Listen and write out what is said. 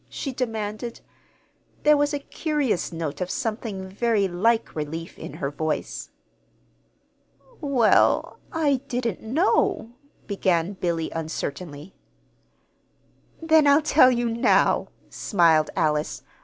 she demanded. There was a curious note of something very like relief in her voice. "Well, I didn't know," began Billy, uncertainly. "Then I'll tell you now," smiled Alice.